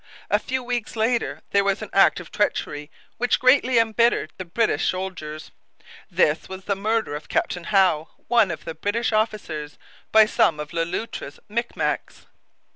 A few weeks later there was an act of treachery which greatly embittered the British soldiers. This was the murder of Captain Howe, one of the British officers, by some of Le Loutre's Micmacs.